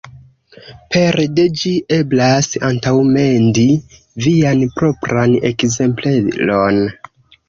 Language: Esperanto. Pere de ĝi, eblas antaŭmendi vian propran ekzempleron.